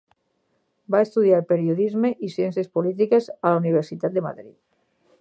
Va estudiar periodisme i ciències polítiques a la Universitat de Madrid.